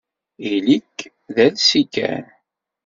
Ili-k d alsi kan.